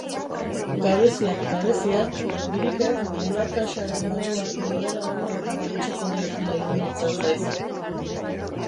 Gabeziak gabezia, birikek bular-kaxaren barruan lurrera amildu gabe eutsiko diotela iruditzen zaizu.